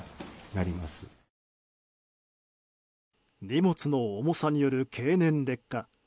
荷物の重さによる経年劣化。